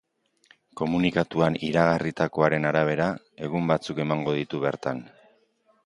Komunikatuan iragarritakoaren arabera, egun batzuk emango ditu bertan.